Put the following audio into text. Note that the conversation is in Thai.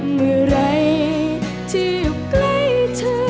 เมื่อไหร่ที่อยู่ใกล้เธอ